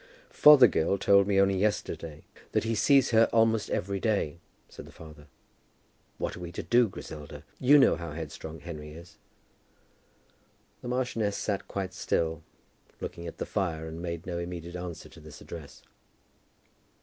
"Fothergill told me only yesterday, that he sees her almost every day," said the father. "What are we to do, Griselda? You know how headstrong Henry is." The marchioness sat quite still, looking at the fire, and made no immediate answer to this address.